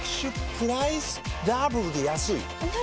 プライスダブルで安いＮｏ！